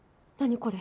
これ。